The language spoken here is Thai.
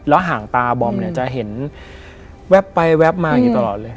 แล้วห่างตาบอมจะเห็นแวบไปแวบมาอยู่ตลอดเลย